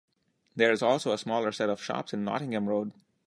There is also a smaller set of shops on Nottingham Road.